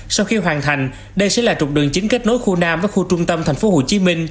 sau khi hoàn thành đây sẽ là trục đường chính kết nối khu nam với khu trung tâm tp hcm